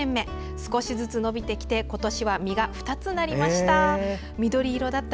少しずつ伸びてきて今年は実が２つなりました。